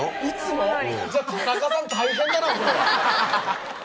いつも？